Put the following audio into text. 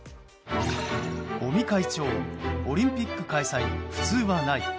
尾身会長、オリンピック開催普通はない。